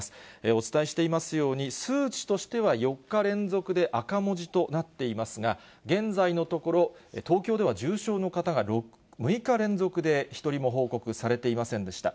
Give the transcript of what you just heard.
お伝えしていますように、数値としては４日連続で赤文字となっていますが、現在のところ、東京では重症の方が６日連続で１人も報告されていませんでした。